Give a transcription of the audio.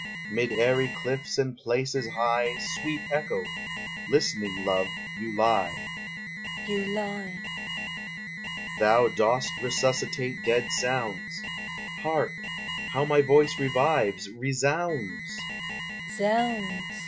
_ Mid airy cliffs and places high, Sweet Echo! listening love, you lie. Echo. You lie! Lover. Thou dost resuscitate dead sounds, Hark! how my voice revives, resounds!